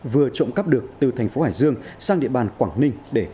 vừa trộm cắp được từ thành phố hải dương sang địa bàn quảng ninh để tiêu thụ